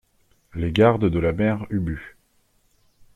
Les Gardes de la Mère Ubu.